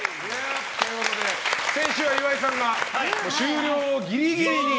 先週は岩井さんが終了ギリギリに。